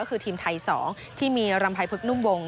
ก็คือทีมไทย๒ที่มีรำภัยพึกนุ่มวง